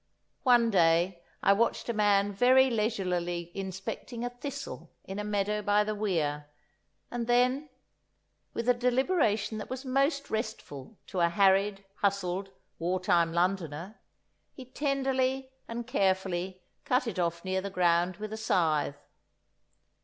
One day I watched a man very leisurely inspecting a thistle in a meadow by the weir, and then, with a deliberation that was most restful to a harried, hustled, war time Londoner, he tenderly and carefully cut it off near the ground with a scythe.